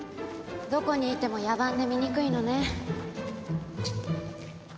どこにいても野蛮で醜いのね。